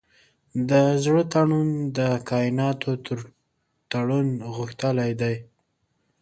د زړه تړون د کایناتو تر تړون غښتلی دی.